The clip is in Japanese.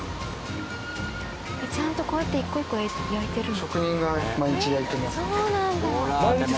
ちゃんとこうやって一個一個焼いてるんだ。